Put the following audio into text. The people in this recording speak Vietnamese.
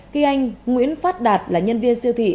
khi anh nguyễn phát đạt là nhân viên siêu thị